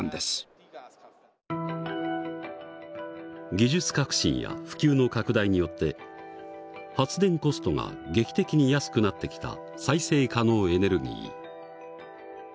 技術革新や普及の拡大によって発電コストが劇的に安くなってきた再生可能エネルギー。